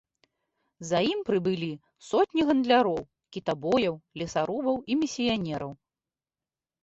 За ім прыбылі сотні гандляроў, кітабояў, лесарубаў і місіянераў.